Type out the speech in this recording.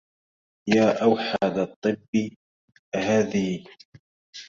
يا أوحد الطب هذي